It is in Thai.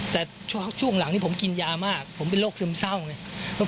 แต่ช่วงหลังที่ผมกินยามากผมเป็นโรคซึมเศร้าไง